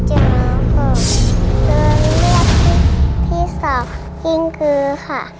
ตัวเลือกที่สองกิ้งกือค่ะ